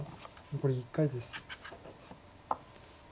残り１回です。